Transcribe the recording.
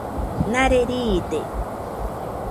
Nare riide